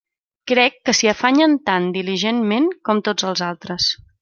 Crec que s'hi afanyen tan diligentment com tots els altres.